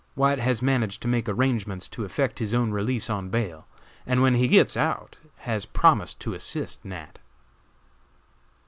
White has managed to make arrangements to effect his own release on bail, and when he gets out, has promised to assist Nat."